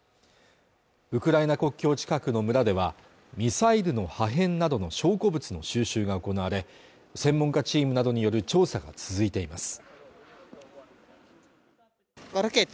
ウクライナ国境近くの村ではミサイルの破片などの証拠物の収集が行われ専門家チームなどによる調査が続いています